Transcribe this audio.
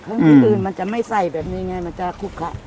ที่อื่นมันจะไม่ใส่แบบนี้ไงมันจะคุกคะ